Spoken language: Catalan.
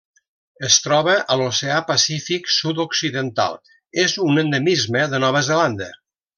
Es troba a l'Oceà Pacífic sud-occidental: és un endemisme de Nova Zelanda.